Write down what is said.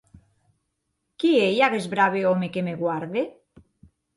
Qui ei aguest brave òme que me guarde?